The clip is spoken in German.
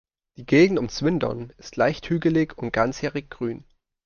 Die Gegend um Swindon ist leicht hügelig und ganzjährig grün.